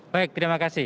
baik terima kasih